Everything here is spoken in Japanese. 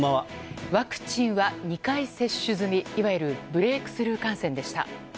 ワクチンは２回接種済みいわゆるブレークスルー感染でした。